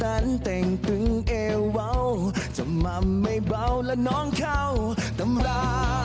นั้นแต่งตึงเอวเบาจำนำไม่เบาแล้วน้องเข้าตำรา